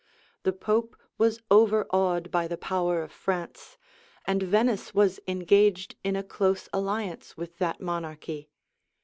The pope was overawed by the power of France, and Venice was engaged in a close alliance with that monarchy.